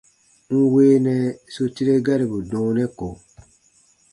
N weenɛ su tire garibu dɔɔnɛ ko.